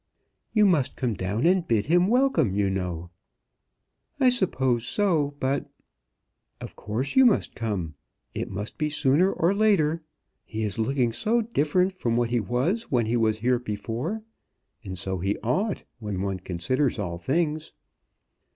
"You must come down and bid him welcome, you know." "I suppose so; but " "Of course you must come. It must be sooner or later. He is looking so different from what he was when he was here before. And so he ought, when one considers all things."